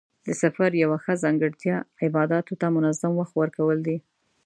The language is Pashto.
د سفر یوه ښه ځانګړتیا عباداتو ته منظم وخت ورکول دي.